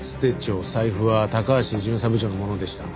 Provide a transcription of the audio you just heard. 財布は高橋巡査部長のものでした。